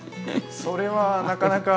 それはなかなか。